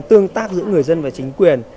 tương tác giữa người dân và chính quyền